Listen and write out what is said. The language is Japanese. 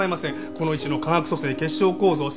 この石の化学組成結晶構造産地。